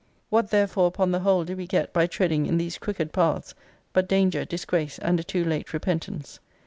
What therefore, upon the whole, do we get by treading in these crooked paths, but danger, disgrace, and a too late repentance?